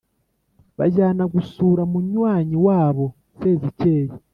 bajyana gusura munywanyi wabo sezikeye